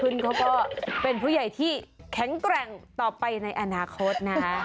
เขาก็เป็นผู้ใหญ่ที่แข็งแกร่งต่อไปในอนาคตนะคะ